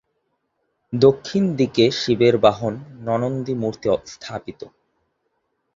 দক্ষিণ দিকে শিবের বাহন নন্দীর মূর্তি স্থাপিত।